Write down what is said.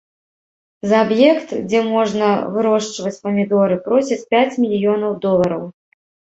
За аб'ект, дзе можна вырошчваць памідоры, просяць пяць мільёнаў долараў.